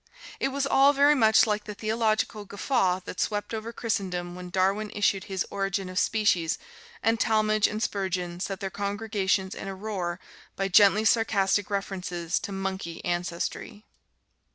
It was all very much like the theological guffaw that swept over Christendom when Darwin issued his "Origin of Species," and Talmage and Spurgeon set their congregations in a roar by gently sarcastic references to monkey ancestry.